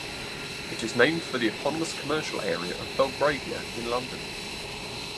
It is named for the eponymous commercial area of Belgravia in London.